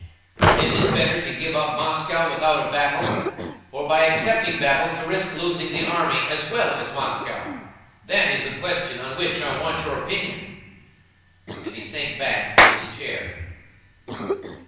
Is it better to give up Moscow without a battle, or by accepting battle to risk losing the army as well as Moscow? That is the question on which I want your opinion," and he sank back in his chair.